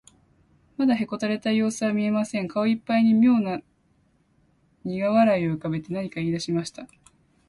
まだへこたれたようすは見えません。顔いっぱいにみょうなにが笑いをうかべて、何かいいだしました。